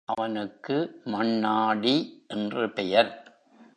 அவனுக்கு மண்ணாடி என்று பெயர்.